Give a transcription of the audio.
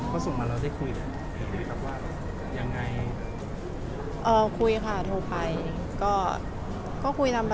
เธอส่งมาแล้วได้คุยกัน